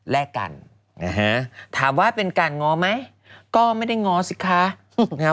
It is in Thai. แลกกันนะฮะถามว่าเป็นการง้อไหมก็ไม่ได้ง้อสิคะนะครับ